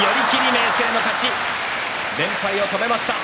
明生、連敗を止めました。